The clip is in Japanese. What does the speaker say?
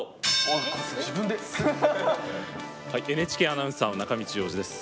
ＮＨＫアナウンサーの中道洋司です。